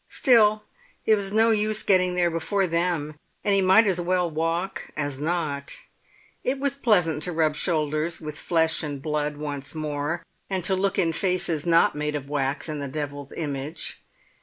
Still it was no use getting there before them, and he might as well walk as not; it was pleasant to rub shoulders with flesh and blood once more, and to look in faces not made of wax in the devil's image.